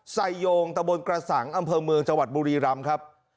ไซโยงตะบนกระสังอำเภอเมืองจังหวัดบุรีรำครับ